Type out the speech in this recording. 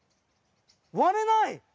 割れない！